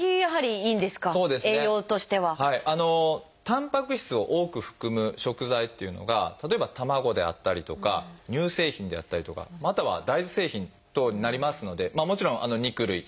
たんぱく質を多く含む食材っていうのが例えば卵であったりとか乳製品であったりとかまたは大豆製品等になりますのでもちろん肉類魚類もそうですけれども。